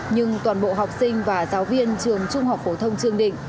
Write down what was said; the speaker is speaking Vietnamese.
nhưng toàn bộ học sinh và giáo viên trường trung học phổ thông trương định